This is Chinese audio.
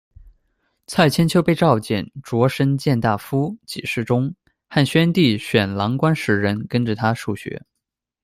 蔡千秋被召见，擢升为谏大夫、给事中，汉宣帝选郎官十人跟着他受学。